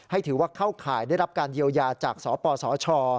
ถือว่าเข้าข่ายได้รับการเยียวยาจากสปสช